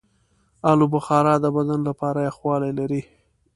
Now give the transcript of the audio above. آلوبخارا د بدن لپاره یخوالی لري.